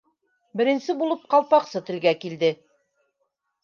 Беренсе булып Ҡалпаҡсы телгә килде.